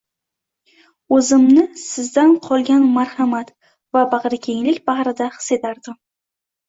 oʻzimni sizdan qolgan marhamat va bagʻrikenglik bagʻrida his etardim.